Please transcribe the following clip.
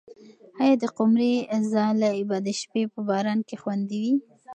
آیا د قمرۍ ځالۍ به د شپې په باران کې خوندي وي؟